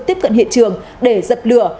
tiếp cận hiện trường để giật lửa